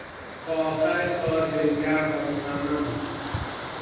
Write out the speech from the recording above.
تا آخر کار دلگرم و مصمم بود.